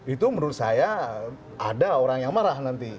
itu menurut saya ada orang yang marah nanti